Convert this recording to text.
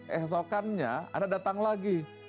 esokannya anda datang lagi